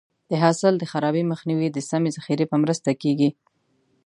د حاصل د خرابي مخنیوی د سمې ذخیرې په مرسته کېږي.